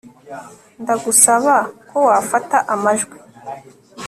Ndagusaba ko wafata amajwi